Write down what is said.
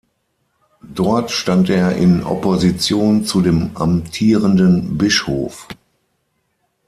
Dort stand er in Opposition zu dem amtierenden Bischof.